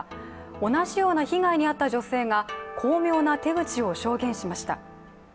同じような被害に遭った女性が巧妙な手口を証言しました。